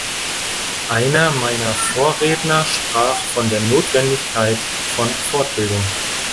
Einer meiner Vorredner sprach von der Notwendigkeit von Fortbildung.